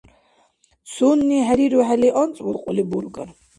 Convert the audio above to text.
Цунни хӀерирухӀели, анцӀбулкьули бургар?